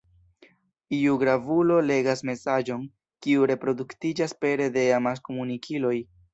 Iu gravulo legas mesaĝon, kiu reproduktiĝas pere de amaskomunikiloj.